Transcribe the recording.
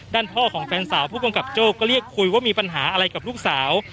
ด้านพ่อของแฟนสาวผู้กำกับโจ้ก็เรียกคุยว่ามีปัญหาอะไรกับลูกสาว